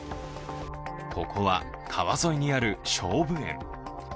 ここは川沿いにあるしょうぶ園。